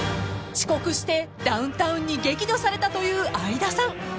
［遅刻してダウンタウンに激怒されたという相田さん］